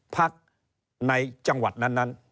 พักในจังหวัดนั้น